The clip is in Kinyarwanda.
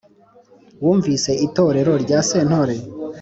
Wumvise itorero rya Sentore